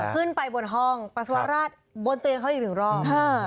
ขึ้นไปบนห้องปัสสาวราชบนเตียงเขาอีกหนึ่งรอบ